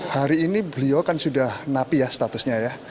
hari ini beliau kan sudah napi ya statusnya ya